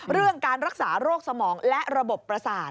เรื่องการรักษาโรคสมองและระบบประสาท